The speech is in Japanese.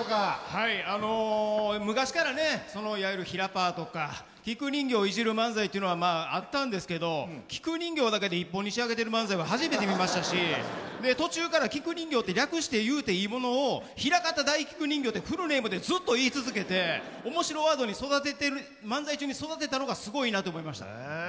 はい昔からねいわゆるひらパーとか菊人形をいじる漫才というのはまああったんですけど菊人形だけで１本に仕上げてる漫才は初めて見ましたし途中から「菊人形」って略して言うていいものを「ひらかた大菊人形」ってフルネームでずっと言い続けて面白ワードに漫才中に育てたのがすごいなと思いました。